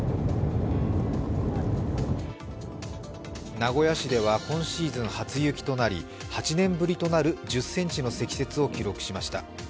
名古屋市では今シーズン初雪となり８年ぶりとなる１０ｃｍの積雪を記録しました。